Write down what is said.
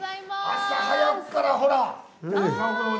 朝早くから、ほら！